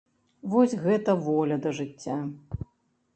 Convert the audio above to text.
Вось гэта воля да жыцця!